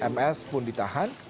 ms pun ditahan